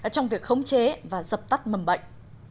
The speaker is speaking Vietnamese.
trong việc khống chế và dập tắt mầm bệnh